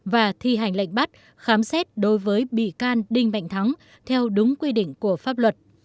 và thi hành lệnh bắt khám xét đối với bị can đinh mạnh thắng theo đúng quy định của pháp luật